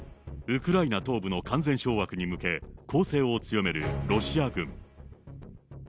ウクライナ東部の完全掌握に向け、攻勢を強めるロシア軍。